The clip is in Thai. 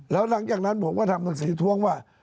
แล้วหลังจากนั้นผมก็ทำหนังสือท้วงว่า